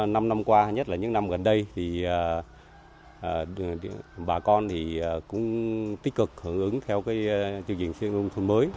năm năm qua nhất là những năm gần đây bà con cũng tích cực hưởng ứng theo chương trình xây dựng nông thôn mới